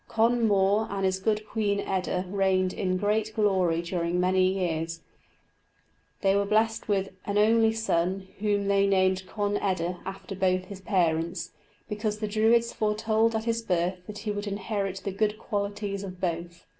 Con Mór and his good Queen Eda reigned in great glory during many years; they were blessed with an only son, whom they named Conn eda, after both his parents, because the Druids foretold at his birth that he would inherit the good qualities of both.